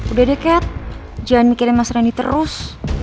udah deh cat jangan mikirin mas randy terus